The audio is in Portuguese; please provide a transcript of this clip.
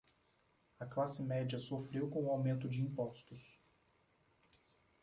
A classe média sofreu com o aumento de impostos